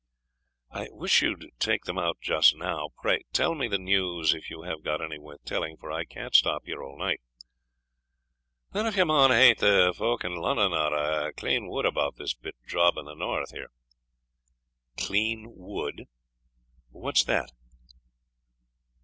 "I wish you would take them out just now. Pray, tell me the news, if you have got any worth telling, for I can't stop here all night." "Than, if ye maun hae't, the folk in Lunnun are a' clean wud about this bit job in the north here." "Clean wood! what's that?"